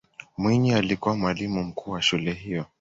mwinyi alikuwa mwalimu mkuu wa shule hiyo